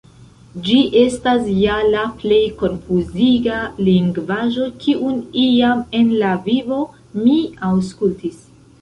Ĝi estas ja la plej konfuziga lingvaĵo kiun iam en la vivo mi aŭskultis.